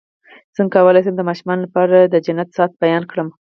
څنګه کولی شم د ماشومانو لپاره د جنت ساعت بیان کړم